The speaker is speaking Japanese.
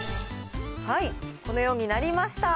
このようになりました。